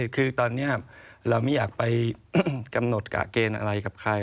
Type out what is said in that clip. คือตอนนี้เราไม่อยากกำหนดอะไรกับใคร